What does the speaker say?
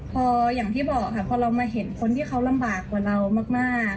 พออย่างที่บอกค่ะพอเรามาเห็นคนที่เขาลำบากกว่าเรามาก